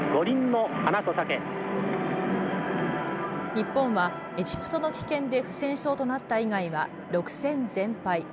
日本はエジプトの棄権で不戦勝となった以外は６戦全敗。